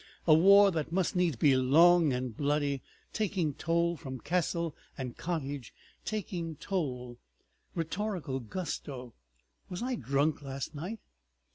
A war that must needs be long and bloody, taking toll from castle and cottage, taking toll! ... Rhetorical gusto! Was I drunk last night?"